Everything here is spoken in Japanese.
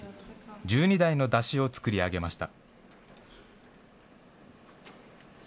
１２台の山車を作り上げました。